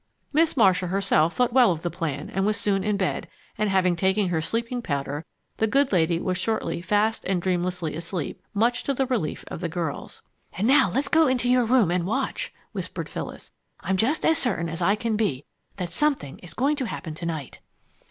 Miss Marcia herself thought well of the plan and was soon in bed, and, having taken her sleeping powder, the good lady was shortly fast and dreamlessly asleep, much to the relief of the girls. "And now let's go into your room and watch," whispered Phyllis. "I'm just as certain as I can be that something is going to happen to night!"